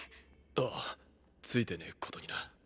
あぁついてねえことにな。